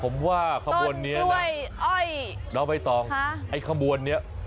มันต้องได้อ้อย